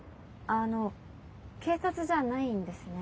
あの警察じゃないんですね。